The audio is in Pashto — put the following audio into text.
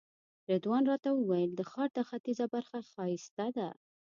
رضوان راته وویل د ښار دا ختیځه برخه ښایسته ده.